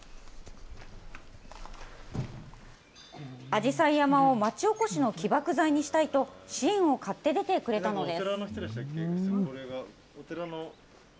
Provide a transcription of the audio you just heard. あじさい山を町おこしの起爆剤にしたいと、支援を買って出てくれたのです。